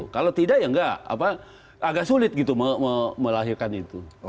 kalau tidak ya enggak agak sulit gitu melahirkan itu